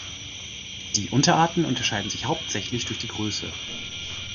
Die Unterarten unterscheiden sich hauptsächlich durch die Größe.